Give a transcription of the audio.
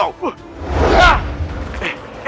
aku akan habisi kau